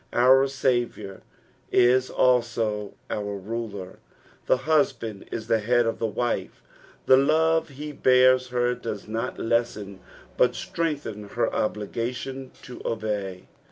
Our Saviour is also our Bukr. The husband ia the head of the wife; the love he bears her does nut lessen but strengtbcn her obligation to obey.